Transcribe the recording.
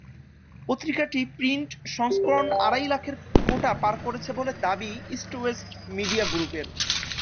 পত্রিকাটি প্রিন্ট সংস্করণ আড়াই লাখের কোটা পার করেছে বলে দাবি ইস্ট ওয়েস্ট মিডিয়া গ্রুপের।